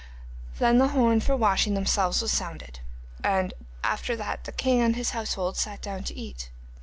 Then the horn for washing themselves was sounded, and after that the king and his household sat down to eat.